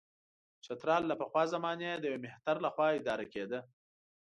چترال له پخوا زمانې د یوه مهتر له خوا اداره کېده.